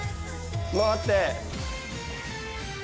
回って。